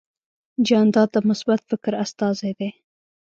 جانداد د مثبت فکر استازی دی.